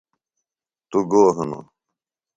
توۡ گو ہِنوۡ ؟